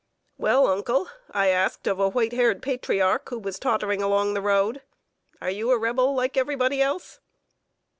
"Well, Uncle," I asked of a white haired patriarch, who was tottering along the road, "are you a Rebel, like everybody else?"